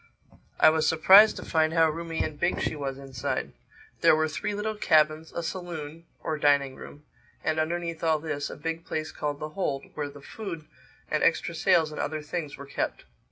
I was surprised to find how roomy and big she was inside. There were three little cabins, a saloon (or dining room) and underneath all this, a big place called the hold where the food and extra sails and other things were kept.